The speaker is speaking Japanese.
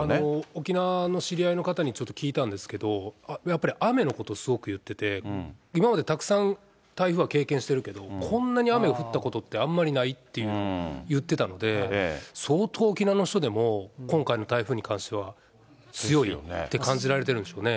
沖縄の知り合いの方にちょっと聞いたんですけど、やっぱり雨のことすごく言ってて、今までたくさん台風は経験しているけど、こんなに雨が降ったことってあんまりないって言ってたので、相当沖縄の人でも、今回の台風に関しては強いって感じられてるんでしょうね。